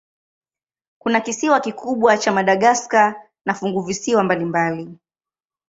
Kuna kisiwa kikubwa cha Madagaska na funguvisiwa mbalimbali.